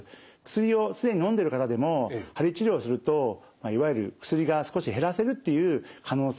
薬を既にのんでいる方でも鍼治療をするといわゆる薬が少し減らせるっていう可能性があるというふうに考えられます。